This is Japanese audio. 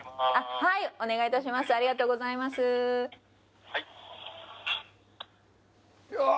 はいお願いいたしますよーっ